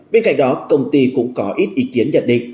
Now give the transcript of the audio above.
bên cạnh đó công ty cũng có ít ý kiến nhận định